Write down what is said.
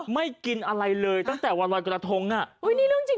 ไม่ได้เล่นสนหานะคุณ